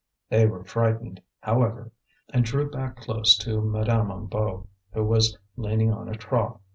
They were frightened, however, and drew back close to Madame Hennebeau, who was leaning on a trough.